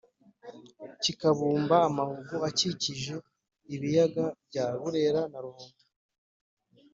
kikabumba amahugu akikije ibiyaga bya burera na ruhondo,